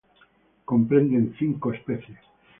Comprende cinco especies.